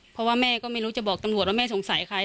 เพราะว่าแม่ก็ไม่รู้จะบอกตำรวจว่าแม่สงสัยใคร